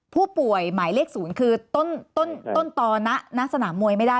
ผู้ป่วยหมายเลข๐คือต้นตอนนะสนามมวยไม่ได้